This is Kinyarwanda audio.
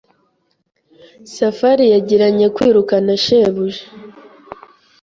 Safari yagiranye kwiruka na shebuja.